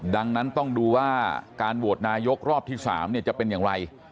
ดังนั้นต้องดูว่าการโหวตนายกรอบที่๓จะเป็นอย่างไร